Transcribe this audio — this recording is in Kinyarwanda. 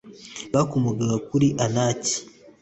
bakomokaga kuri anaki